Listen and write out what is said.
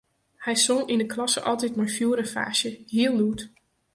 Hy song yn 'e klasse altyd mei fjoer en faasje, heel lûd.